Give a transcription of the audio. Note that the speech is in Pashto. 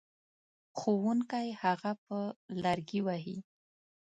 ښوونکی هغه په لرګي وهي.